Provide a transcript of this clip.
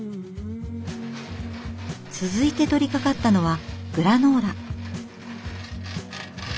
続いて取りかかったのはグラノーラ。